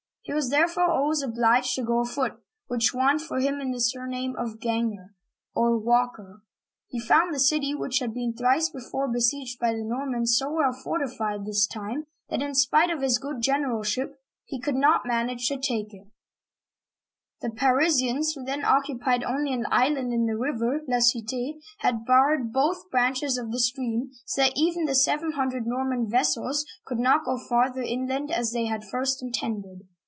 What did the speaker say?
He was, therefore, always obliged to go afoot, which won for him the sur name of " Ganger '* (gang'er), or Walker." He found the city — which had been thrice before besieged .by the Nor mans — so well fortified this time that, in spite of his good generalship, he could not manage to take it. Digitized by Google (94) Digitized by Google CHARLES II., THE FAT (884 887) 95 The Parisians, who then occupied only an island in the river (La Cit^), had barred both branches of the stream, so that even the seven hundred Norman vessels could not go farther inland, as they had first intended.